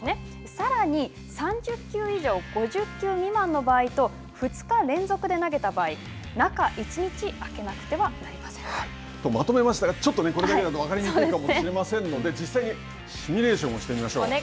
さらに、３０球以上５０球未満の場合と２日連続で投げた場合、まとめましたが、ちょっとこれだけだと分かりにくいかもしれませんので、実際にシミュレーションをしてみましょう。